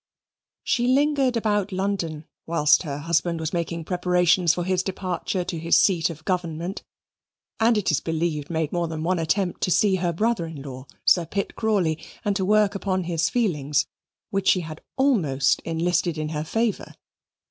She lingered about London whilst her husband was making preparations for his departure to his seat of government, and it is believed made more than one attempt to see her brother in law, Sir Pitt Crawley, and to work upon his feelings, which she had almost enlisted in her favour.